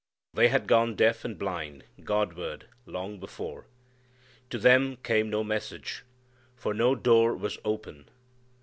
They had gone deaf and blind Godward long before. To them came no message, for no door was open.